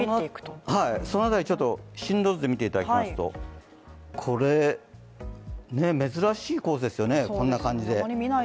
その辺り、進路図で見ていただきますと珍しいコースですよね、こんな感じで。